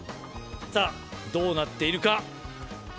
さぁどうなっているか？